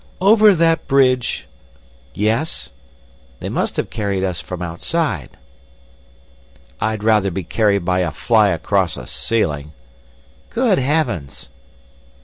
"Over that bridge?" "Yes. They must have carried us from outside." "I'd rather be carried by a fly across a ceiling." "Good Heavens!"